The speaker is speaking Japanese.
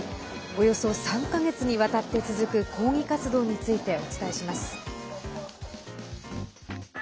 およそ３か月にわたって続く抗議活動について、お伝えします。